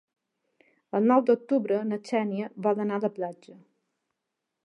El nou d'octubre na Xènia vol anar a la platja.